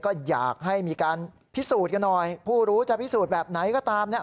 ก็อยากให้มีการพิสูจน์กันหน่อยผู้รู้จะพิสูจน์แบบไหนก็ตามเนี่ย